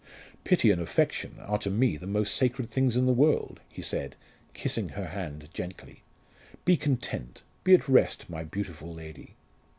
"Pity and affection are to me the most sacred things in the world," he said, kissing her hand gently. "Be content be at rest my beautiful lady!"